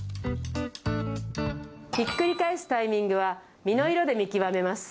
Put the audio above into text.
ひっくり返すタイミングは身の色で見極めます。